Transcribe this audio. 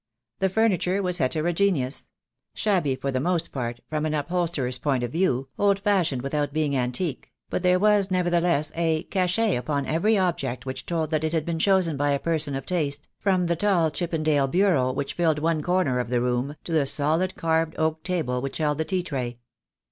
The furniture was heterogeneous — shabby for the most part, from an upholsterer's point of view, old fashioned without being antique; but there was nevertheless a cachet upon every object which told that it had been chosen by a person of taste, from the tall Chippendale bureau which filled one corner of the room, to the solid carved oak table which held the tea tray.